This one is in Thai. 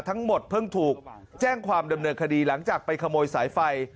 ทั้งหมดเพิ่งถูกแจ้งความดำเนินคดีหลังจากไปขโมยสายไฟ